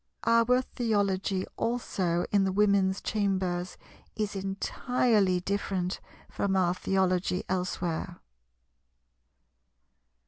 Our Theology also in the Women's chambers is entirely different from our Theology elsewhere.